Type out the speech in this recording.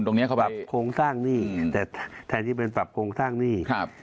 เปรียบเหมือนปรับโครงสร้างหนี้แต่แทนที่เป็นปรับโครงสร้างหนี้